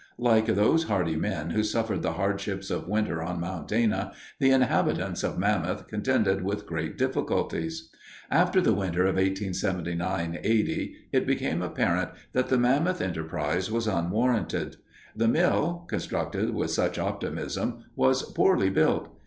Like those hardy men who suffered the hardships of winter on Mount Dana, the inhabitants of Mammoth contended with great difficulties. After the winter of 1879 80, it became apparent that the Mammoth enterprise was unwarranted. The mill, constructed with such optimism, was poorly built.